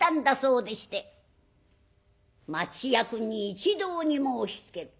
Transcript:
「町役に一同に申しつける。